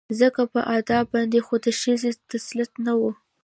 ځکه پر ادب باندې خو د ښځې تسلط نه و